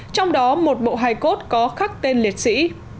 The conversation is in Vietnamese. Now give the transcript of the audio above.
trong đó một bộ hài cốt có khắc tên liệt sĩ